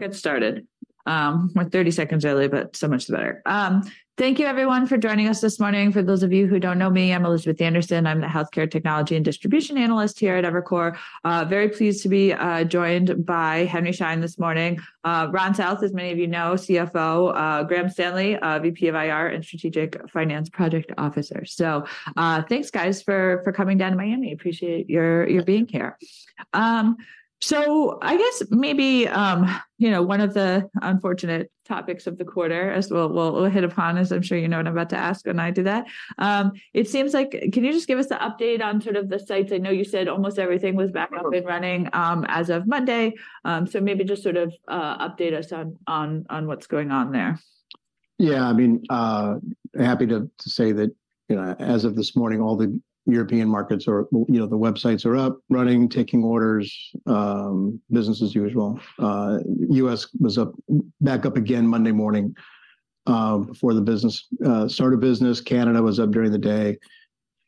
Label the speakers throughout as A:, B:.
A: Get started. We're 30 seconds early, but so much the better. Thank you everyone for joining us this morning. For those of you who don't know me, I'm Elizabeth Anderson. I'm the Healthcare Technology and Distribution Analyst here at Evercore. Very pleased to be joined by Henry Schein this morning. Ron South, as many of you know, CFO, Graham Stanley, VP of IR and Strategic Financial Project Officer. So, thanks, guys, for coming down to Miami. Appreciate your being here. So I guess maybe, you know, one of the unfortunate topics of the quarter as well, we'll hit upon, as I'm sure you know what I'm about to ask, and I do that. It seems like can you just give us an update on sort of the sites? I know you said almost everything was back up and running as of Monday. So maybe just sort of update us on what's going on there.
B: Yeah, I mean, happy to say that, you know, as of this morning, all the European markets are, well, you know, the websites are up, running, taking orders, business as usual. U.S. was up, back up again Monday morning, before the start of business. Canada was up during the day,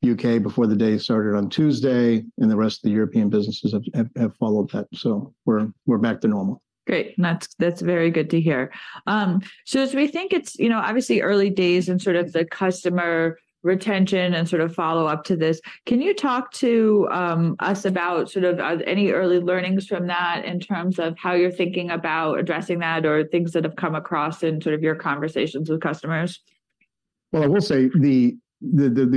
B: U.K. before the day started on Tuesday, and the rest of the European businesses have followed that. So we're back to normal.
A: Great! That's, that's very good to hear. So as we think it's, you know, obviously early days in sort of the customer retention and sort of follow-up to this, can you talk to us about sort of any early learnings from that in terms of how you're thinking about addressing that or things that have come across in sort of your conversations with customers?
B: Well, I will say the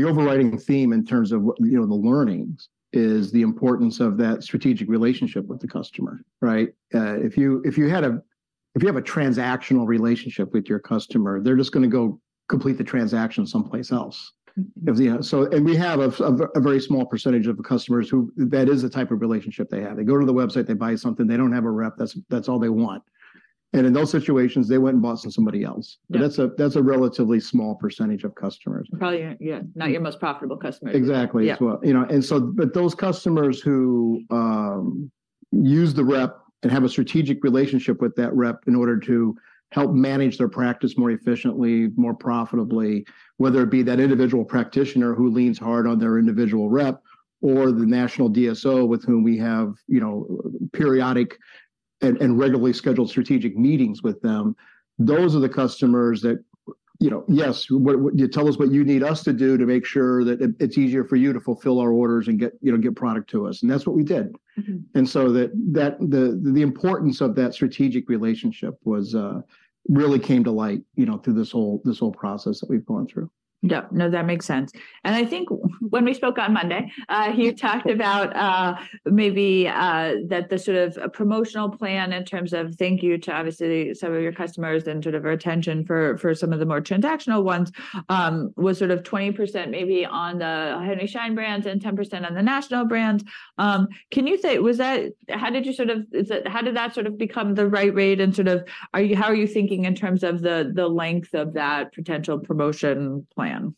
B: overriding theme in terms of what, you know, the learnings, is the importance of that strategic relationship with the customer, right? If you have a transactional relationship with your customer, they're just gonna go complete the transaction someplace else. You know, so, and we have a very small percentage of customers who, that is the type of relationship they have. They go to the website, they buy something, they don't have a rep, that's all they want. And in those situations, they went and bought from somebody else.
A: Yeah.
B: But that's a relatively small percentage of customers.
A: Probably, yeah, not your most profitable customer.
B: Exactly-
A: Yeah...
B: as well. You know, and so, but those customers who use the rep and have a strategic relationship with that rep in order to help manage their practice more efficiently, more profitably, whether it be that individual practitioner who leans hard on their individual rep, or the national DSO with whom we have, you know, periodic and regularly scheduled strategic meetings with them, those are the customers that, you know, yes, you tell us what you need us to do to make sure that it, it's easier for you to fulfill our orders and get, you know, get product to us. And that's what we did.
A: Mm-hmm.
B: The importance of that strategic relationship really came to light, you know, through this whole process that we've gone through.
A: Yep. No, that makes sense. And I think when we spoke on Monday, you talked about, maybe, that the sort of promotional plan in terms of thank you to obviously some of your customers and sort of retention for, for some of the more transactional ones, was sort of 20% maybe on the Henry Schein brands and 10% on the national brands. Can you say, was that, how did you sort of, is it, how did that sort of become the right rate and sort of, are you- how are you thinking in terms of the, the length of that potential promotion plan?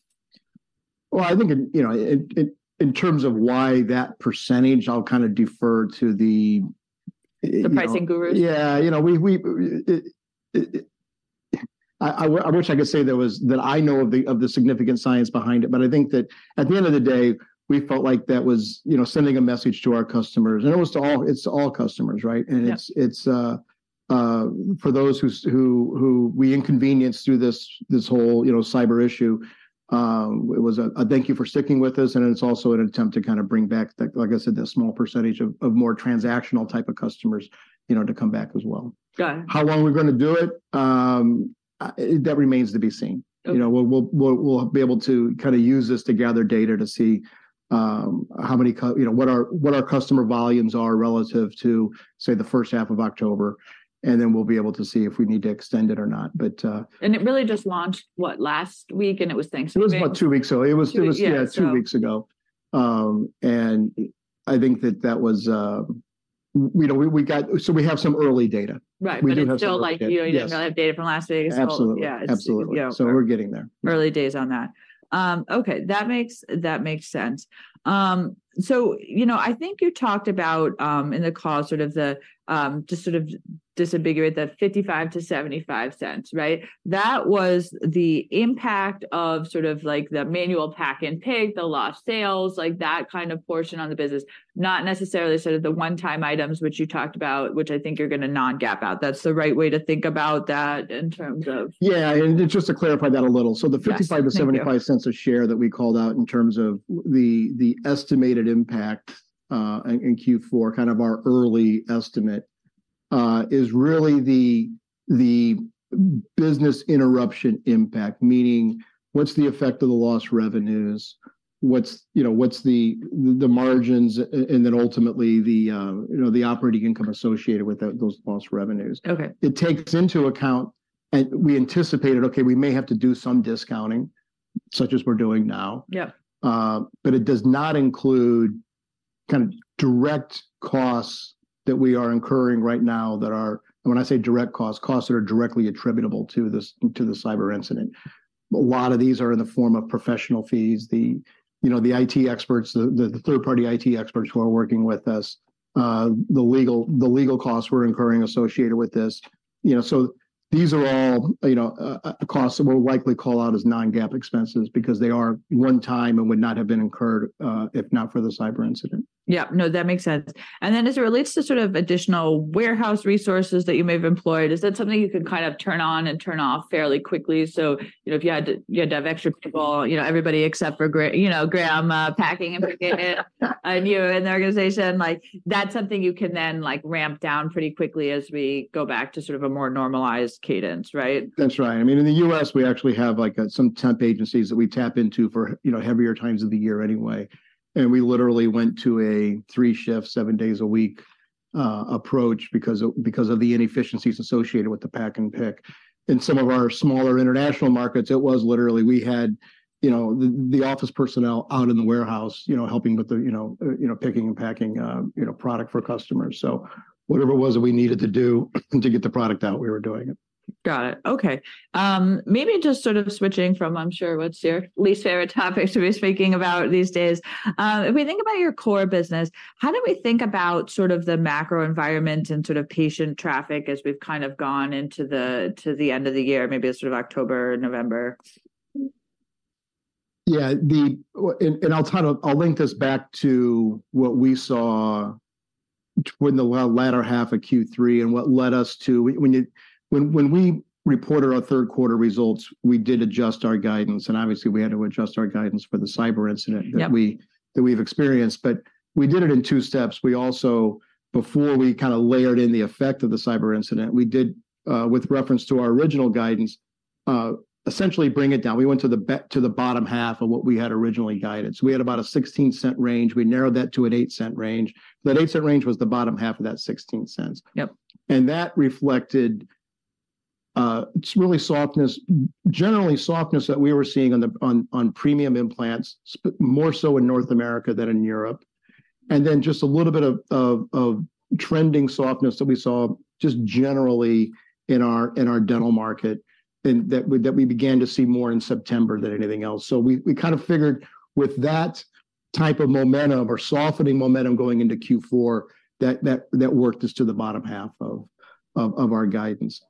B: Well, I think, you know, in terms of why that percentage, I'll kind of defer to the, you know...
A: The pricing gurus?
B: Yeah. You know, I wish I could say that was - that I know of the significant science behind it. But I think that at the end of the day, we felt like that was, you know, sending a message to our customers. And it was to all - it's to all customers, right?
A: Yeah.
B: It's for those who we inconvenienced through this whole, you know, cyber issue. It was a thank you for sticking with us, and it's also an attempt to kind of bring back the, like I said, the small percentage of more transactional type of customers, you know, to come back as well.
A: Got it.
B: How well we're going to do it? That remains to be seen.
A: Okay.
B: You know, we'll be able to kind of use this to gather data to see how many, you know, what our customer volumes are relative to, say, the first half of October, and then we'll be able to see if we need to extend it or not, but-
A: It really just launched, what? Last week, and it was Thanksgiving.
B: It was about two weeks ago.
A: Two weeks, yeah.
B: It was, it was, yeah, two weeks ago. I think that that was, you know, we, we got so we have some early data.
A: Right.
B: We do have some early data.
A: But it's still like, you know-
B: Yes...
A: you don't really have data from last week, so-
B: Absolutely.
A: Yeah.
B: Absolutely.
A: Yeah.
B: We're getting there.
A: Early days on that. Okay, that makes, that makes sense. So, you know, I think you talked about, in the call, sort of the, just sort of disambiguate the $0.55-$0.75, right? That was the impact of sort of like the manual pack and pick, the lost sales, like that kind of portion on the business. Not necessarily sort of the one-time items which you talked about, which I think you're gonna non-GAAP out. That's the right way to think about that in terms of-
B: Yeah, and just to clarify that a little-
A: Yes, thank you....
B: so the $0.55-$0.75 a share that we called out in terms of the estimated impact in Q4, kind of our early estimate, is really the business interruption impact. Meaning, what's the effect of the lost revenues? What's, you know, what's the margins, and then ultimately, you know, the operating income associated with those lost revenues.
A: Okay.
B: It takes into account, and we anticipated, okay, we may have to do some discounting, such as we're doing now.
A: Yeah.
B: But it does not include kind of direct costs that we are incurring right now that are. And when I say direct costs, costs that are directly attributable to this to the cyber incident. A lot of these are in the form of professional fees, you know, the IT experts, the third-party IT experts who are working with us, the legal costs we're incurring associated with this. You know, these are all, you know, costs that we'll likely call out as non-GAAP expenses because they are one time and would not have been incurred, if not for the cyber incident.
A: Yeah. No, that makes sense. And then as it relates to sort of additional warehouse resources that you may have employed, is that something you can kind of turn on and turn off fairly quickly? So, you know, if you had to, you had to have extra people, you know, everybody except for, you know, Graham, packing and forget it, and you in the organization, like, that's something you can then, like, ramp down pretty quickly as we go back to sort of a more normalized cadence, right?
B: That's right. I mean, in the U.S., we actually have, like, some temp agencies that we tap into for, you know, heavier times of the year anyway. And we literally went to a 3-shift, 7 days a week, approach because of, because of the inefficiencies associated with the pack and pick. In some of our smaller international markets, it was literally we had, you know, the office personnel out in the warehouse, you know, helping with the, you know, picking and packing, you know, product for customers. So whatever it was that we needed to do to get the product out, we were doing it.
A: Got it. Okay. Maybe just sort of switching from I'm sure what's your least favorite topic to be speaking about these days. If we think about your core business, how do we think about sort of the macro environment and sort of patient traffic as we've kind of gone into the, to the end of the year, maybe sort of October, November?
B: Yeah, and I'll try to link this back to what we saw in the latter half of Q3 and what led us to... When we reported our third quarter results, we did adjust our guidance, and obviously, we had to adjust our guidance for the cyber incident-
A: Yep...
B: that we've experienced, but we did it in two steps. We also, before we kind of layered in the effect of the cyber incident, we did with reference to our original guidance essentially bring it down. We went to the bottom half of what we had originally guided. So we had about a $0.16 range. We narrowed that to a $0.08 range. That $0.08 range was the bottom half of that $0.16.
A: Yep.
B: That reflected really softness, generally softness that we were seeing on the Premium implants, more so in North America than in Europe. Then just a little bit of trending softness that we saw just generally in our dental market, and that we began to see more in September than anything else. So we kind of figured with that type of momentum or softening momentum going into Q4, that worked us to the bottom half of our guidance.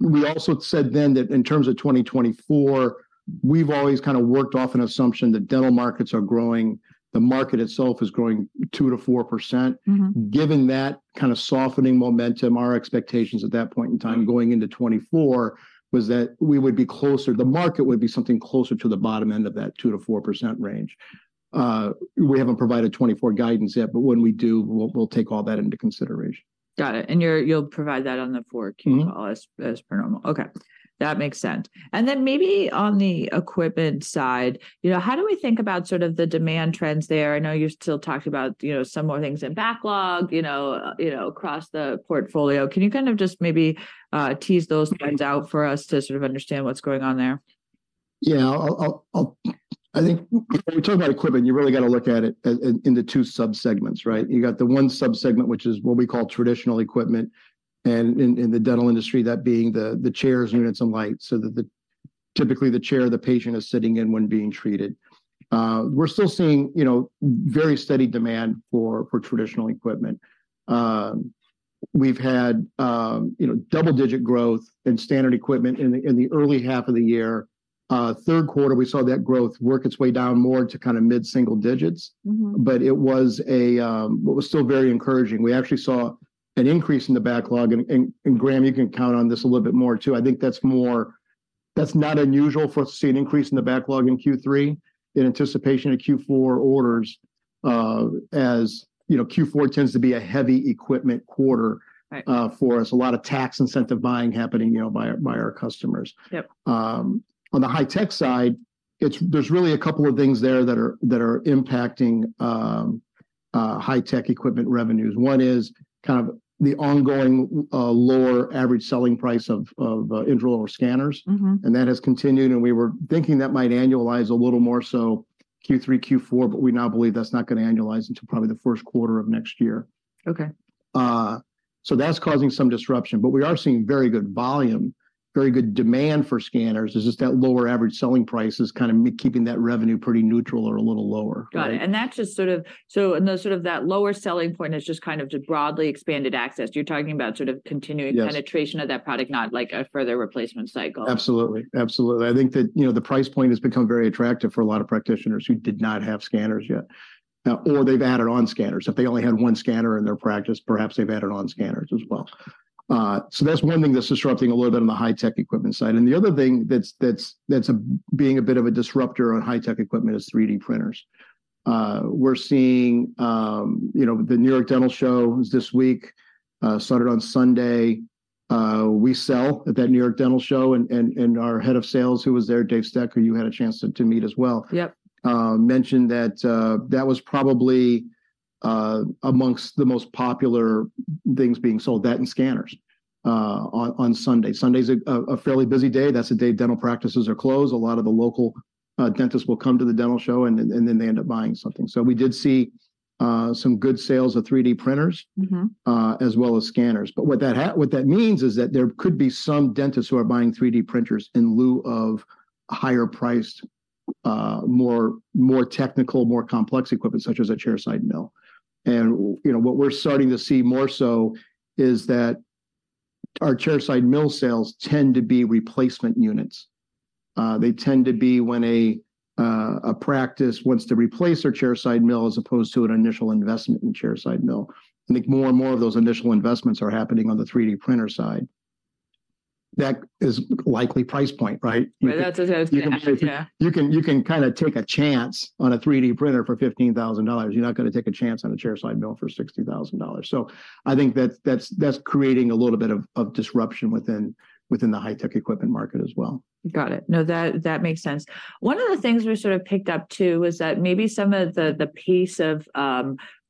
B: We also said then that in terms of 2024, we've always kind of worked off an assumption that dental markets are growing, the market itself is growing 2%-4%.
A: Mm-hmm.
B: Given that kind of softening momentum, our expectations at that point in time going into 2024, was that we would be closer, the market would be something closer to the bottom end of that 2%-4% range. We haven't provided 2024 guidance yet, but when we do, we'll, we'll take all that into consideration.
A: Got it. And you're, you'll provide that on the fourth-
B: Mm-hmm
A: ...quarter as per normal. Okay, that makes sense. And then maybe on the equipment side, you know, how do we think about sort of the demand trends there? I know you still talked about, you know, some more things in backlog, you know, across the portfolio. Can you kind of just maybe, tease those trends out for us to sort of understand what's going on there?
B: Yeah, I'll—I think when you talk about equipment, you really got to look at it as in the two subsegments, right? You got the one subsegment, which is what we call traditional equipment, and in the dental industry, that being typically the chair the patient is sitting in when being treated. We're still seeing, you know, very steady demand for traditional equipment. We've had, you know, double-digit growth in standard equipment in the early half of the year. Third quarter, we saw that growth work its way down more to kind of mid-single digits.
A: Mm-hmm.
B: But it was a, it was still very encouraging. We actually saw an increase in the backlog, and Graham, you can count on this a little bit more, too. I think that's more, that's not unusual for us to see an increase in the backlog in Q3, in anticipation of Q4 orders, as you know, Q4 tends to be a heavy equipment quarter-
A: Right...
B: for us. A lot of tax incentive buying happening, you know, by our customers.
A: Yep.
B: On the high tech side, there's really a couple of things there that are impacting high tech equipment revenues. One is kind of the ongoing lower average selling price of intraoral scanners.
A: Mm-hmm.
B: That has continued, and we were thinking that might annualize a little more so Q3, Q4, but we now believe that's not gonna annualize until probably the first quarter of next year.
A: Okay.
B: So that's causing some disruption, but we are seeing very good volume, very good demand for scanners. It's just that lower average selling price is kind of keeping that revenue pretty neutral or a little lower.
A: Got it. And that's just sort of... So and those sort of that lower selling point is just kind of to broadly expanded access. You're talking about sort of continuing-
B: Yes...
A: penetration of that product, not like a further replacement cycle.
B: Absolutely. Absolutely. I think that, you know, the price point has become very attractive for a lot of practitioners who did not have scanners yet, or they've added on scanners. If they only had one scanner in their practice, perhaps they've added on scanners as well. So that's one thing that's disrupting a little bit on the high-tech equipment side. And the other thing that's being a bit of a disrupter on high-tech equipment is 3D printers. We're seeing, you know, the New York Dental Show was this week, started on Sunday. We sell at that New York Dental Show, and our head of sales, who was there, Dave Steck, you had a chance to meet as well-
A: Yep...
B: mentioned that that was probably among the most popular things being sold, that and scanners, on Sunday. Sunday is a fairly busy day. That's the day dental practices are closed. A lot of the local dentists will come to the dental show, and then they end up buying something. So we did see some good sales of 3D printers-
A: Mm-hmm...
B: as well as scanners. But what that means is that there could be some dentists who are buying 3D printers in lieu of higher priced, more technical, more complex equipment, such as a chairside mill. And you know, what we're starting to see more so is that our chairside mill sales tend to be replacement units. They tend to be when a practice wants to replace their chairside mill as opposed to an initial investment in chairside mill. I think more and more of those initial investments are happening on the 3D printer side. That is likely price point, right?
A: Well, that's what I was gonna ask, yeah.
B: You can kinda take a chance on a 3D printer for $15,000. You're not gonna take a chance on a chairside mill for $60,000. So I think that's creating a little bit of disruption within the high-tech equipment market as well.
A: Got it. No, that, that makes sense. One of the things we sort of picked up too, was that maybe some of the pace of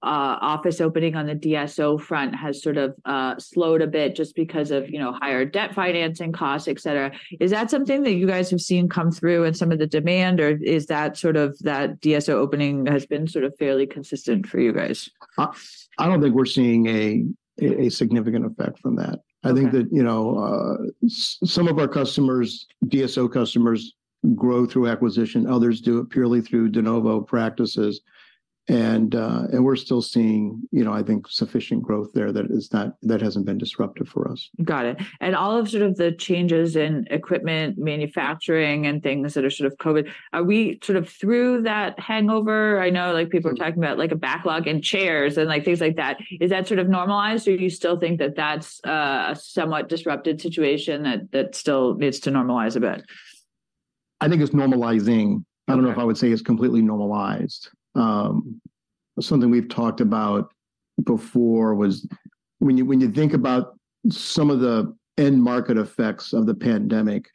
A: office opening on the DSO front has sort of slowed a bit just because of, you know, higher debt financing costs, et cetera. Is that something that you guys have seen come through in some of the demand, or is that sort of, that DSO opening has been sort of fairly consistent for you guys?
B: I don't think we're seeing a significant effect from that.
A: Okay.
B: I think that, you know, some of our customers, DSO customers, grow through acquisition, others do it purely through de novo practices. And, and we're still seeing, you know, I think sufficient growth there that hasn't been disruptive for us.
A: Got it. All of sort of the changes in equipment, manufacturing and things that are sort of COVID, are we sort of through that hangover? I know, like, people are talking about, like, a backlog in chairs and, like, things like that. Is that sort of normalized, or do you still think that that's a somewhat disrupted situation that still needs to normalize a bit?
B: I think it's normalizing.
A: Okay.
B: I don't know if I would say it's completely normalized. Something we've talked about before was when you think about some of the end market effects of the pandemic,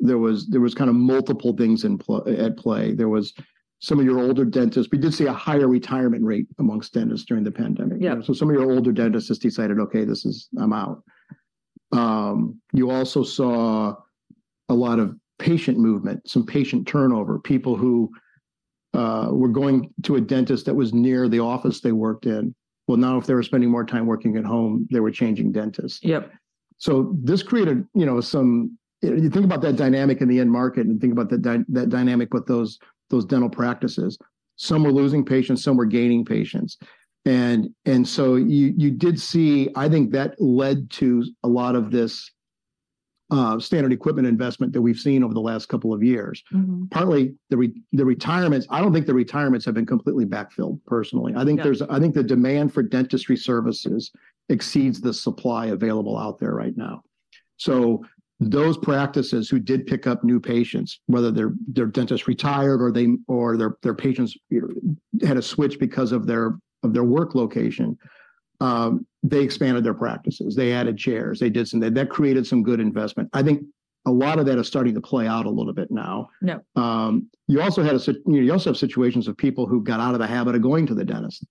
B: there was kind of multiple things in play, at play. There was some of your older dentists, we did see a higher retirement rate among dentists during the pandemic.
A: Yeah.
B: So some of your older dentists just decided, "Okay, this is... I'm out." You also saw a lot of patient movement, some patient turnover, people who were going to a dentist that was near the office they worked in. Well, now, if they were spending more time working at home, they were changing dentists.
A: Yep.
B: So this created, you know, some... You think about that dynamic in the end market and think about that dynamic with those dental practices. Some were losing patients, some were gaining patients. And so you did see, I think, that led to a lot of this standard equipment investment that we've seen over the last couple of years.
A: Mm-hmm.
B: Partly the retirements, I don't think the retirements have been completely backfilled personally.
A: Yeah.
B: I think the demand for dentistry services exceeds the supply available out there right now. So those practices who did pick up new patients, whether their dentist retired, or their patients, you know, had to switch because of their work location, they expanded their practices, they added chairs, they did some... That created some good investment. I think a lot of that is starting to play out a little bit now.
A: Yep.
B: You also have situations of people who got out of the habit of going to the dentist.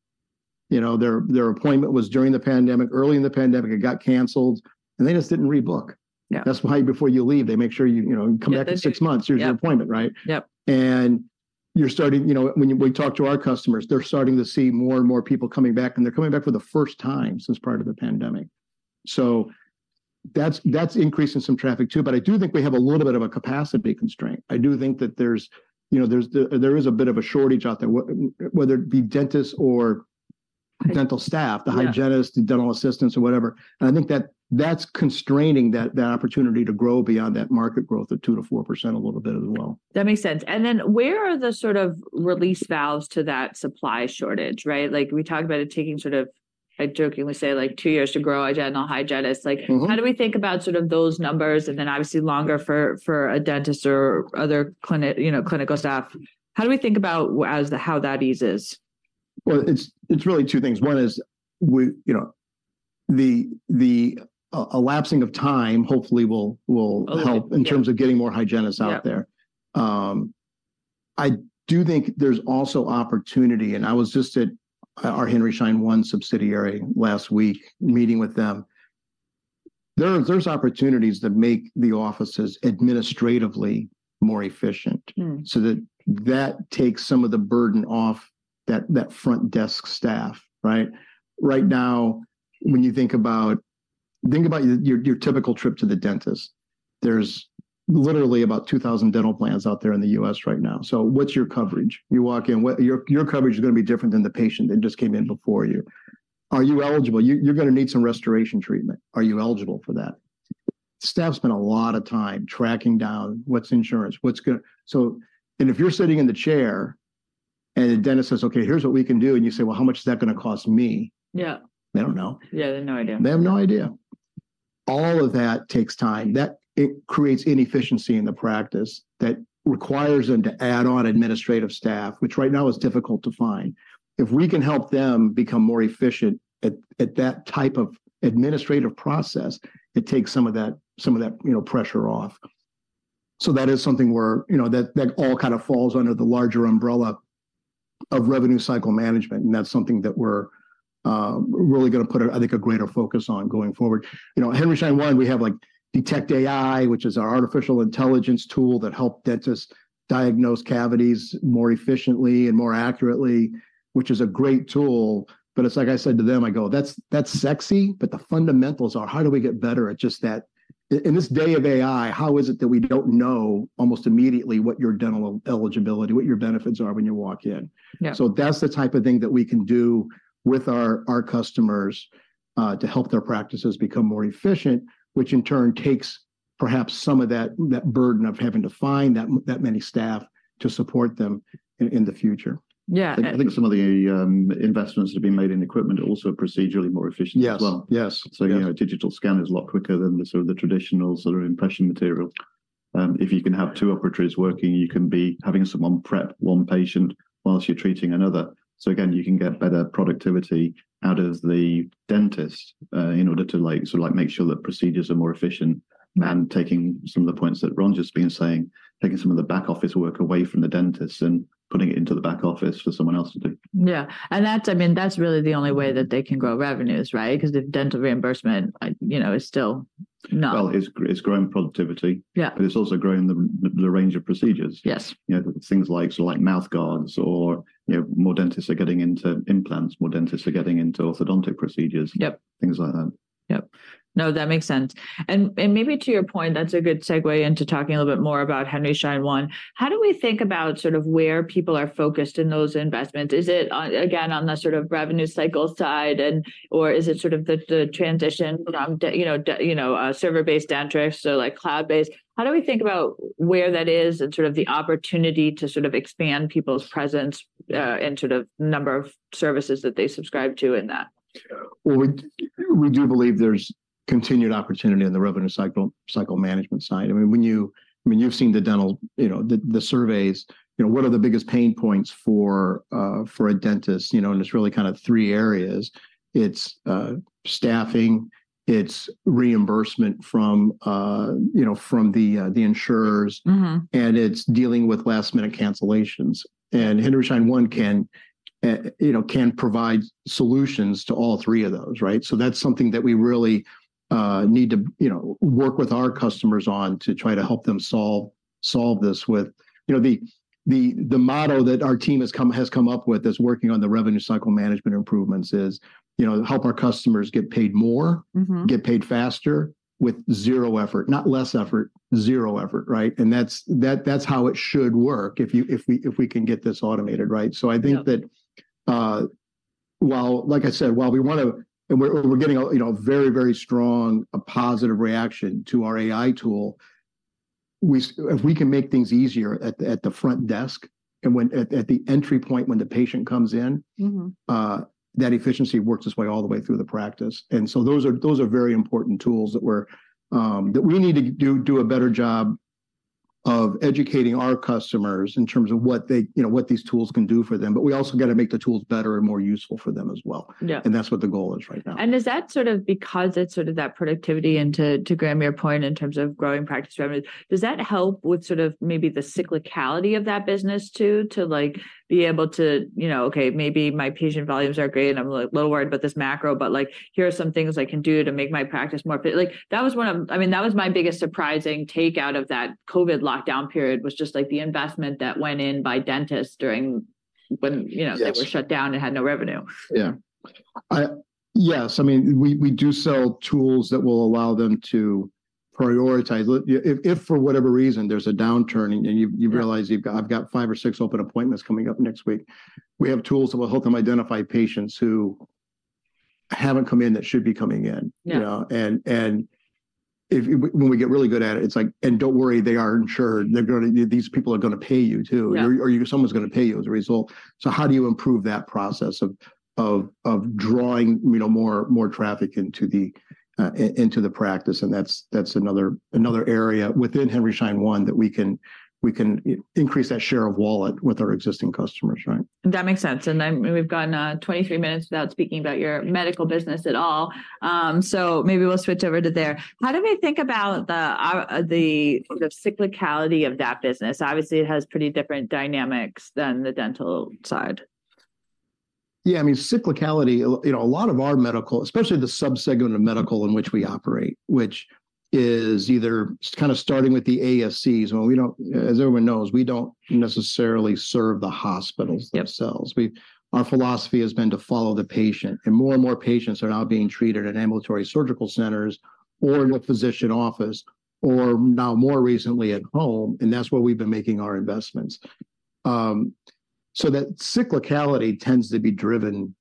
B: You know, their appointment was during the pandemic, early in the pandemic, it got canceled, and they just didn't rebook.
A: Yeah.
B: That's why before you leave, they make sure you, you know-
A: Yeah...
B: come back in six months-
A: Yep...
B: here's your appointment, right?
A: Yep.
B: And you're starting, you know, when we talk to our customers, they're starting to see more and more people coming back, and they're coming back for the first time since prior to the pandemic. So that's, that's increasing some traffic, too. But I do think we have a little bit of a capacity constraint. I do think that there's, you know, there's, there is a bit of a shortage out there, whether it be dentists or-
A: Right...
B: dental staff-
A: Yeah...
B: the hygienists, the dental assistants or whatever. And I think that's constraining that opportunity to grow beyond that market growth of 2%-4% a little bit as well.
A: That makes sense. And then where are the sort of release valves to that supply shortage? Right, like we talked about it taking sort of, I jokingly say, like two years to grow a dental hygienist.
B: Mm-hmm.
A: Like, how do we think about sort of those numbers and then obviously longer for, for a dentist or other clinic, you know, clinical staff? How do we think about how that eases?
B: Well, it's really two things. One is, we, you know, the elapsing of time hopefully will help-
A: Okay, yeah...
B: in terms of getting more hygienists out there.
A: Yep.
B: I do think there's also opportunity, and I was just at our Henry Schein One subsidiary last week, meeting with them. There's opportunities to make the offices administratively more efficient.
A: Mm.
B: So that takes some of the burden off that front desk staff, right? Right now, when you think about your typical trip to the dentist. There's literally about 2,000 dental plans out there in the U.S. right now. So what's your coverage? You walk in, your coverage is gonna be different than the patient that just came in before you. Are you eligible? You're gonna need some restoration treatment. Are you eligible for that? Staff spend a lot of time tracking down what's insurance, what's gonna... So, and if you're sitting in the chair, and the dentist says, "Okay, here's what we can do," and you say, "Well, how much is that gonna cost me?
A: Yeah.
B: They don't know.
A: Yeah, they have no idea.
B: They have no idea. All of that takes time. That it creates inefficiency in the practice that requires them to add on administrative staff, which right now is difficult to find. If we can help them become more efficient at that type of administrative process, it takes some of that, some of that, you know, pressure off. So that is something where, you know, that all kind of falls under the larger umbrella of revenue cycle management, and that's something that we're really gonna put, I think, a greater focus on going forward. You know, Henry Schein One, we have like Detect AI, which is our artificial intelligence tool that help dentists diagnose cavities more efficiently and more accurately, which is a great tool. But it's like I said to them, I go, "That's, that's sexy, but the fundamentals are: How do we get better at just that?" In this day of AI, how is it that we don't know almost immediately what your dental eligibility- what your benefits are when you walk in?
A: Yeah.
B: So that's the type of thing that we can do with our customers to help their practices become more efficient, which in turn takes perhaps some of that burden of having to find that many staff to support them in the future.
A: Yeah.
C: I think some of the investments that have been made in equipment are also procedurally more efficient as well.
B: Yes, yes.
C: So, you know, a digital scan is a lot quicker than the sort of traditional sort of impression material. If you can have two operators working, you can be having someone prep one patient while you're treating another. So again, you can get better productivity out of the dentist in order to, like, sort of make sure that procedures are more efficient. And taking some of the points that Ron's just been saying, taking some of the back office work away from the dentists and putting it into the back office for someone else to do.
A: Yeah, and that's, I mean, that's really the only way that they can grow revenues, right? Because if dental reimbursement, you know, is still not-
C: Well, it's growing productivity.
A: Yeah...
C: but it's also growing the range of procedures.
A: Yes.
C: You know, things like, so like mouth guards or, you know, more dentists are getting into implants, more dentists are getting into orthodontic procedures-
A: Yep...
C: things like that.
A: Yep. No, that makes sense. And maybe to your point, that's a good segue into talking a little bit more about Henry Schein One. How do we think about sort of where people are focused in those investments? Is it on, again, on the sort of revenue cycle side, and or is it sort of the transition from, you know, server-based dentistry, so like cloud-based? How do we think about where that is and sort of the opportunity to sort of expand people's presence and sort of number of services that they subscribe to in that?
B: Well, we do believe there's continued opportunity in the revenue cycle management side. I mean, you've seen the dental, you know, the surveys, you know, what are the biggest pain points for a dentist? You know, and it's really kind of three areas. It's staffing, it's reimbursement from, you know, from the insurers-
A: Mm-hmm...
B: and it's dealing with last-minute cancellations. And Henry Schein One can, you know, can provide solutions to all three of those, right? So that's something that we really need to, you know, work with our customers on to try to help them solve this with. You know, the motto that our team has come up with as working on the revenue cycle management improvements is, you know, help our customers get paid more-
A: Mm-hmm...
B: get paid faster with zero effort. Not less effort, zero effort, right? And that's how it should work if we can get this automated, right?
A: Yep.
B: So I think that, while, like I said, while we want to and we're getting, you know, a very, very strong positive reaction to our AI tool, if we can make things easier at the front desk and when at the entry point, when the patient comes in-
A: Mm-hmm...
B: that efficiency works its way all the way through the practice. And so those are very important tools that we need to do a better job of educating our customers in terms of what they, you know, what these tools can do for them. But we also got to make the tools better and more useful for them as well.
A: Yeah.
B: That's what the goal is right now.
A: Is that sort of because it's sort of that productivity, and to grab your point in terms of growing practice revenue, does that help with sort of maybe the cyclicality of that business too, to be able to, you know, okay, maybe my patient volumes are great, and I'm a little worried about this macro, but like, here are some things I can do to make my practice more profit? Like, that was one of—I mean, that was my biggest surprising takeaway out of that COVID lockdown period, was just like the investment that went in by dentists during, when, you know—
B: Yes...
A: they were shut down and had no revenue.
B: Yeah. Yes, I mean, we do sell tools that will allow them to prioritize. If for whatever reason there's a downturn, and you've realized you've got - I've got five or six open appointments coming up next week, we have tools that will help them identify patients who haven't come in, that should be coming in.
A: Yeah.
B: You know, and if, when we get really good at it, it's like, "And don't worry, they are insured. They're gonna, these people are gonna pay you, too.
A: Yeah.
B: Or, someone's gonna pay you as a result. So how do you improve that process of drawing, you know, more traffic into the practice? And that's another area within Henry Schein One that we can increase that share of wallet with our existing customers, right?
A: That makes sense. And then, I mean, we've gone 23 minutes without speaking about your medical business at all. So maybe we'll switch over to there. How do we think about the cyclicality of that business? Obviously, it has pretty different dynamics than the dental side.
B: Yeah, I mean, cyclicality, you know, a lot of our medical, especially the sub-segment of medical in which we operate, which is either kind of starting with the ASCs. Well, we don't. As everyone knows, we don't necessarily serve the hospitals-
A: Yep...
B: themselves. Our philosophy has been to follow the patient, and more and more patients are now being treated at ambulatory surgical centers or in a physician office, or now more recently, at home, and that's where we've been making our investments. So that cyclicality tends to be driven,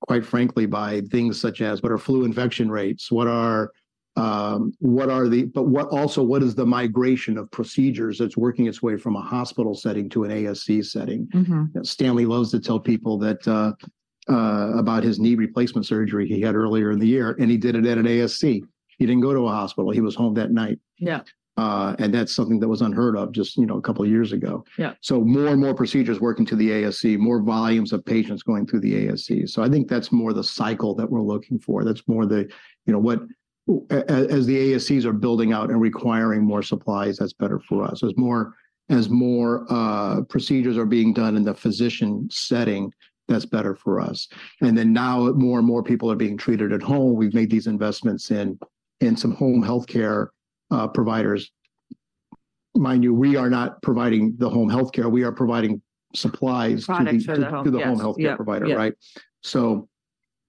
B: quite frankly, by things such as, what are flu infection rates? What are the - but also, what is the migration of procedures that's working its way from a hospital setting to an ASC setting?
A: Mm-hmm.
B: Stanley loves to tell people that, about his knee replacement surgery he had earlier in the year, and he did it at an ASC. He didn't go to a hospital, he was home that night.
A: Yeah.
B: That's something that was unheard of just, you know, a couple of years ago.
A: Yeah.
B: So more and more procedures working to the ASC, more volumes of patients going through the ASC. So I think that's more the cycle that we're looking for, that's more the, you know, as the ASCs are building out and requiring more supplies, that's better for us. As more, as more, procedures are being done in the physician setting, that's better for us. And then now that more and more people are being treated at home, we've made these investments in, in some home healthcare, providers. Mind you, we are not providing the home healthcare, we are providing supplies-
A: Products for the home...
B: to the home healthcare provider.
A: Yeah.
B: Right? So,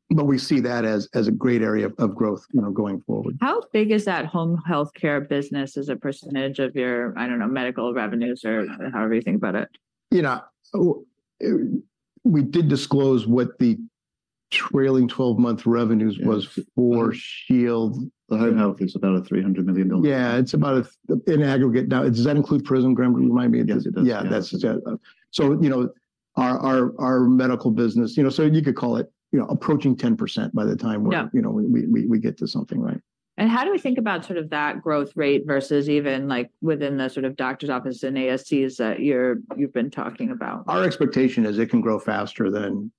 B: but we see that as a great area of growth, you know, going forward.
A: How big is that home healthcare business as a percentage of your, I don't know, medical revenues or however you think about it?
B: You know, we did disclose what the trailing 12-month revenues was for Henry Schein.
C: The home health is about a $300 million.
B: Yeah, it's about a, in aggregate. Now, does that include Prism, Graham? Remind me again.
C: Yes, it does.
B: Yeah, that's it. So, you know, our medical business, you know, so you could call it, you know, approaching 10% by the time-
A: Yeah...
B: we're, you know, we get to something, right?
A: How do we think about sort of that growth rate versus even, like, within the sort of doctor's office and ASCs that you're, you've been talking about?
B: Our expectation is it can grow faster than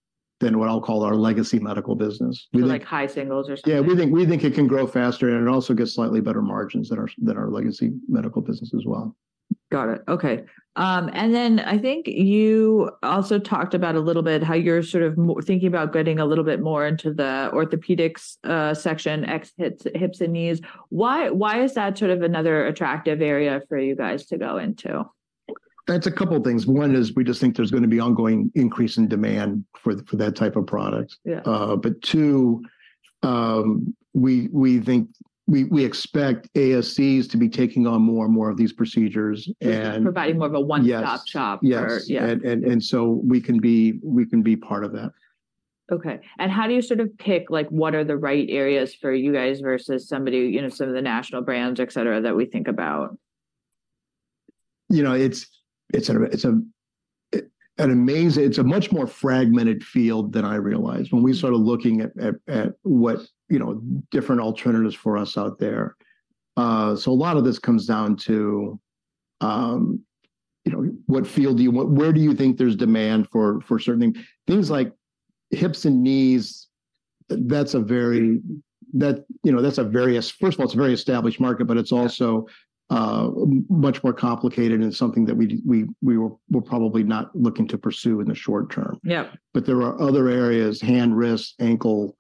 B: what I'll call our legacy medical business. We think-
A: Like high singles or something?
B: Yeah, we think it can grow faster, and it also gets slightly better margins than our legacy medical business as well.
A: Got it. Okay. And then I think you also talked about a little bit how you're sort of more thinking about getting a little bit more into the orthopedics section, X, hips, hips, and knees. Why, why is that sort of another attractive area for you guys to go into?
B: That's a couple things. One is we just think there's gonna be ongoing increase in demand for that type of product.
A: Yeah.
B: But two, we think. We expect ASCs to be taking on more and more of these procedures and-
A: Providing more of a one-stop shop.
B: Yes. Yes.
A: Yeah.
B: And so we can be part of that.
A: Okay. And how do you sort of pick, like, what are the right areas for you guys versus somebody, you know, some of the national brands, et cetera, that we think about?
B: You know, it's an amazing- It's a much more fragmented field than I realized-
A: Mm.
B: When we started looking at what, you know, different alternatives for us out there. So a lot of this comes down to, you know, what field do you want... Where do you think there's demand for certain things? Things like hips and knees, that's a very, you know, that's a various - first of all, it's a very established market, but it's also.
A: Yeah...
B: much more complicated, and it's something that we were probably not looking to pursue in the short term.
A: Yeah.
B: But there are other areas, hand, wrist, ankle,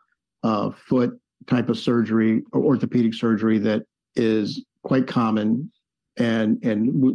B: foot type of surgery or orthopedic surgery, that is quite common and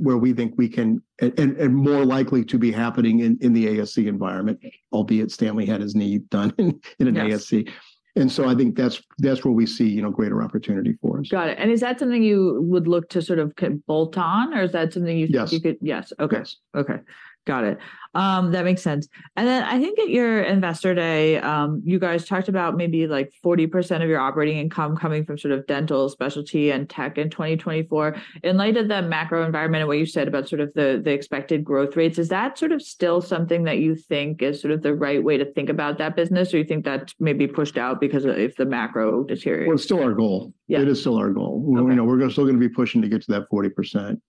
B: where we think we can. And more likely to be happening in the ASC environment, albeit Stanley had his knee done in an ASC.
A: Yes.
B: And so I think that's, that's where we see, you know, greater opportunity for us.
A: Got it. And is that something you would look to sort of bolt on, or is that something you think-
B: Yes.
A: You could... Yes. Okay.
B: Yes.
A: Okay. Got it. That makes sense. And then I think at your Investor Day, you guys talked about maybe, like, 40% of your operating income coming from sort of dental, specialty, and tech in 2024. In light of the macro environment and what you said about sort of the, the expected growth rates, is that sort of still something that you think is sort of the right way to think about that business, or you think that may be pushed out because if the macro deteriorates?
B: Well, it's still our goal.
A: Yeah.
B: It is still our goal.
A: Okay.
B: You know, we're still gonna be pushing to get to that 40%.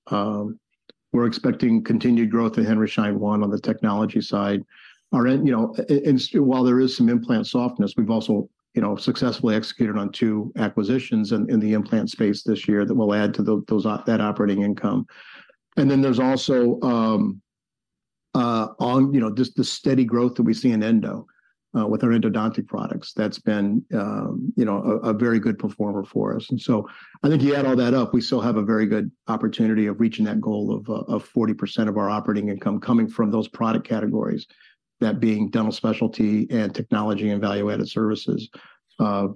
B: We're expecting continued growth in Henry Schein One on the technology side. And, you know, while there is some implant softness, we've also, you know, successfully executed on 2 acquisitions in the implant space this year that will add to that operating income. And then there's also you know just the steady growth that we see in Endo with our endodontic products. That's been you know a very good performer for us. And so I think you add all that up, we still have a very good opportunity of reaching that goal of 40% of our operating income coming from those product categories, that being dental specialty and technology, and value-added services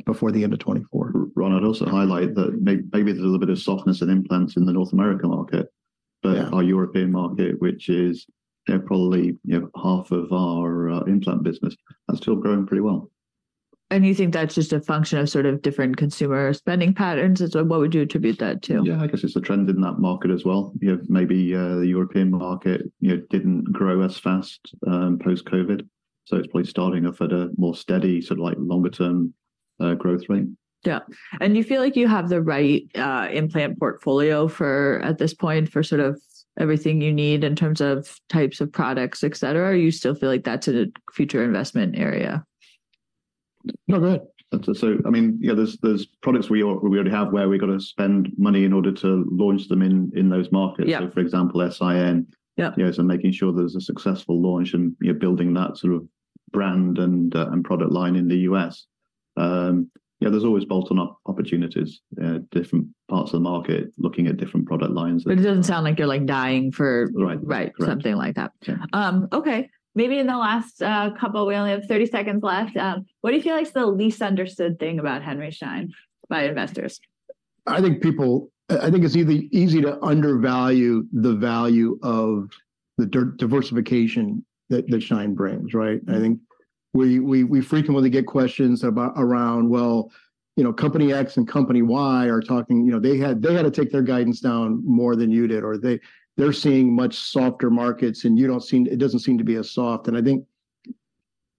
B: before the end of 2024.
C: Ron, I'd also highlight that maybe there's a little bit of softness in implants in the North American market.
B: Yeah.
C: But our European market, which is, they're probably, you know, half of our implant business, that's still growing pretty well.
A: You think that's just a function of sort of different consumer spending patterns, and so what would you attribute that to?
C: Yeah, I guess it's a trend in that market as well. You know, maybe, the European market, you know, didn't grow as fast, post-COVID, so it's probably starting off at a more steady, sort of like longer-term, growth rate.
A: Yeah. And you feel like you have the right implant portfolio for, at this point, for sort of everything you need in terms of types of products, et cetera, or you still feel like that's a future investment area?
B: No, go ahead.
C: So I mean, yeah, there's products we already have, where we're gonna spend money in order to launch them in those markets.
A: Yeah.
C: So, for example, S.I.N.
A: Yeah.
C: You know, so making sure there's a successful launch and, yeah, building that sort of brand and product line in the U.S. Yeah, there's always bolt-on opportunities, different parts of the market, looking at different product lines-
A: But it doesn't sound like you're, like, dying for-
C: Right.
A: Right.
C: Correct.
A: Something like that.
C: Yeah.
A: Okay, maybe in the last we only have 30 seconds left, what do you feel like is the least understood thing about Henry Schein by investors?
B: I think people... I think it's either easy to undervalue the value of the diversification that Schein brings, right?
A: Mm.
B: I think we frequently get questions about around, well, you know, company X and company Y are talking... You know, they had to take their guidance down more than you did, or they're seeing much softer markets, and you don't seem—it doesn't seem to be as soft. And I think,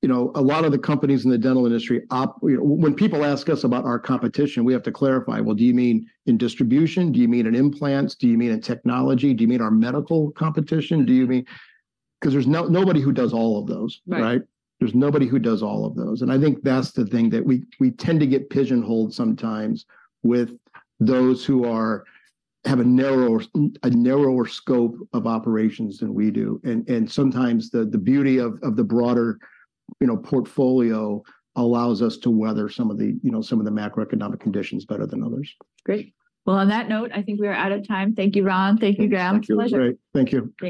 B: you know, a lot of the companies in the dental industry op—When people ask us about our competition, we have to clarify, "Well, do you mean in distribution? Do you mean in implants? Do you mean in technology? Do you mean our medical competition? Do you mean..." 'Cause there's nobody who does all of those.
A: Right.
B: Right? There's nobody who does all of those, and I think that's the thing, that we tend to get pigeonholed sometimes with those who are—have a narrower scope of operations than we do. And sometimes the beauty of the broader, you know, portfolio allows us to weather some of the, you know, some of the macroeconomic conditions better than others.
A: Great. Well, on that note, I think we are out of time. Thank you, Ron. Thank you, Graham.
B: Thank you.
A: It's a pleasure.
B: Great. Thank you.